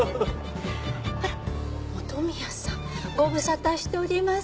あら本宮さんご無沙汰しております。